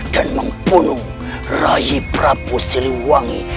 dan membunuh raih prabu siliwangi